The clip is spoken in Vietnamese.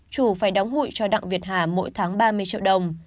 chủ phải đóng hụi cho đặng việt hà mỗi tháng ba mươi triệu đồng